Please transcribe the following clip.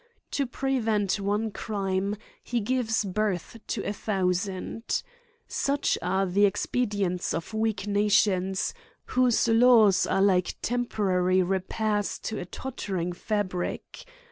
To prevent one crime he gives birth to a thousand. Such are the expedients of weak nations, whose laws are like temporary repairs to a tottering fa brie.